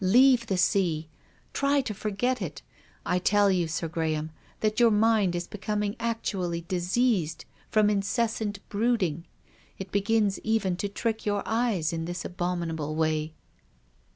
Leave the sea. Try to forget it. I tell you. Sir Graham, that your mind is becoming actually diseased from incessant brooding. It begins even to trick your eyes in this abominable way."